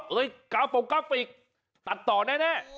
เฮ้ยกาโปรกราฟิกตัดต่อแน่